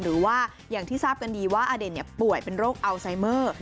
หรือว่าอย่างที่ทราบกันดีว่าอเด่นป่วยเป็นโรคอัลไซเมอร์